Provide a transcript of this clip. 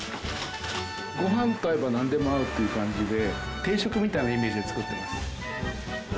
ご飯と合えばなんでも合うという感じで定食みたいなイメージで作ってます。